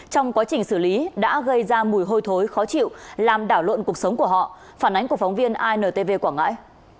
trong quá trình xử lý đã gây ra mùi hôi thối khó chịu làm đảo lộn cuộc sống của họ phản ánh của phóng viên intv quảng ngãi